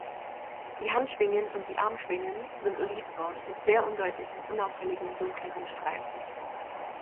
Die Handschwingen und die Armschwingen sind olivbraun mit sehr undeutlichen unauffälligen dunkleren Streifen.